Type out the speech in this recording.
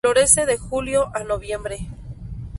Florece de julio a noviembre.